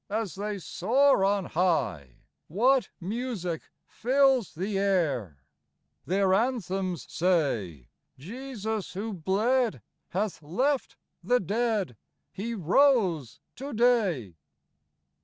as they soar on high, What music fills the air ! Their anthems say, —" Jesus, who bled, Hath left the dead ■ He rose to day."